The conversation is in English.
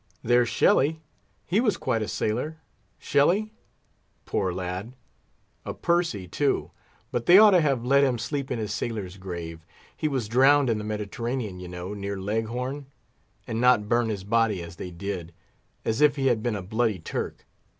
There's Shelley, he was quite a sailor. Shelley—poor lad! a Percy, too—but they ought to have let him sleep in his sailor's grave—he was drowned in the Mediterranean, you know, near Leghorn—and not burn his body, as they did, as if he had been a bloody Turk.